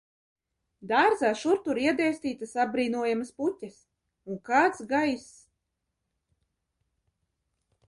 Dārzā šur tur iedēstītas apbrīnojamas puķes, un kāds gaiss!